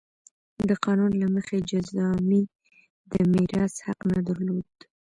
د قانون له مخې جذامي د میراث حق نه درلود.